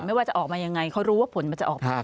ไม่ว่าจะออกมายังไงเขารู้ว่าผลมันจะออกมา